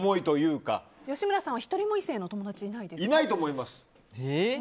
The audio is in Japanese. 吉村さんは１人も異性の友達いないと思います。